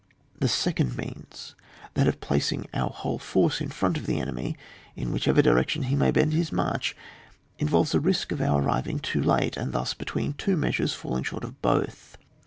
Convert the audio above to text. The second means^ that of placing our whole force in front of the enemy, in whichever direction he may bond his march, involves a risk of our arriving too late, and thus between two measures, falling short of both.